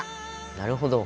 なるほど。